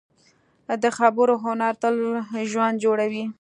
د خبرو هنر تل ژوند جوړوي